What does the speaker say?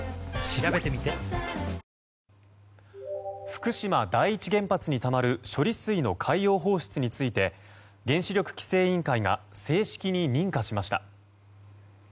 福島第一原発にたまる処理水の海洋放出について原子力規制委員会が正式に認可しました。